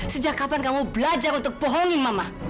sejak kapan kamu belajar untuk bohongin mama